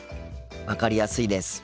分かりやすいです。